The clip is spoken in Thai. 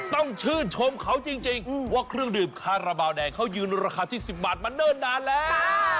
ต้องชื่นชมเขาจริงว่าเครื่องดื่มคาราบาลแดงเขายืนราคาที่๑๐บาทมาเนิ่นนานแล้ว